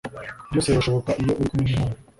Byose birashoboka iyo uri kumwe n’ imana